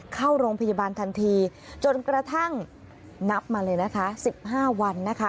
เข้าโรงพยาบาลทันทีจนกระทั่งนับมาเลยนะคะ๑๕วันนะคะ